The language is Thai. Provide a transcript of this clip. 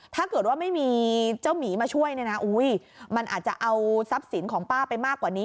ถ้าเกิดว่าไม่มีเจ้าหมีมาช่วยเนี่ยนะมันอาจจะเอาทรัพย์สินของป้าไปมากกว่านี้